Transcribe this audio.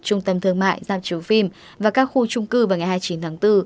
trung tâm thương mại giảm chiếu phim và các khu trung cư vào ngày hai mươi chín tháng bốn